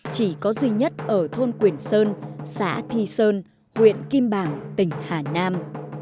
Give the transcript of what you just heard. chỉ có duy nhất ở thôn quyển sơn xã thi sơn huyện kim bảng tỉnh hà nam